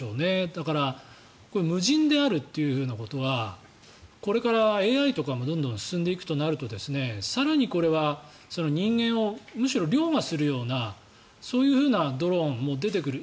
だから、無人であるということはこれから、ＡＩとかどんどん進んでいくとなると更にこれは人間をむしろ凌駕するようなそういうドローンも出てくる。